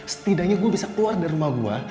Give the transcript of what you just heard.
setidaknya gue bisa keluar dari rumah gue